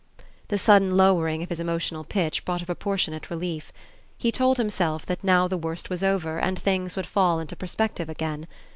The sudden lowering of his emotional pitch brought a proportionate relief. He told himself that now the worst was over and things would fall into perspective again.